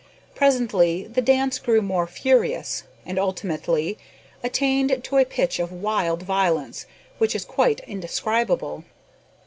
Presently the dance grew more furious, and ultimately attained to a pitch of wild violence which is quite indescribable.